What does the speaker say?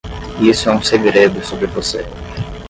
Isso é um segredo sobre você.